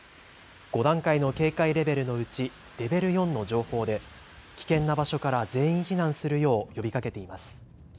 ５段階の警戒レベルのうちレベル４の情報で危険な場所から全員避難するよう呼びかけています。